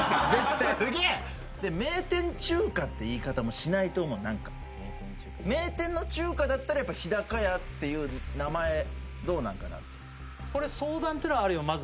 絶対「名店中華」って言い方もしないと思うなんか名店の中華だったらやっぱ日高屋っていう名前どうなんかなこれ相談ってのはあるよ